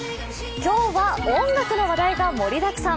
今日は音楽の話題が盛りだくさん。